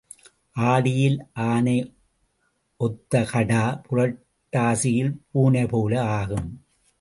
ஆடியில் ஆனை ஒத்த கடா, புரட்டாசியில் பூனைபோல ஆகும்.